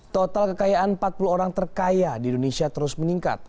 total kekayaan empat puluh orang terkaya di indonesia terus meningkat